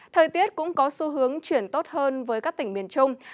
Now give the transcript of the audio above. thời tiết cũng có xu hướng chuyển tốt hơn với các tỉnh miền trung